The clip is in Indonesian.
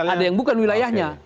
ada yang bukan wilayahnya